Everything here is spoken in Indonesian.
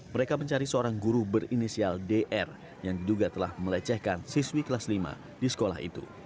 mereka mencari seorang guru berinisial dr yang diduga telah melecehkan siswi kelas lima di sekolah itu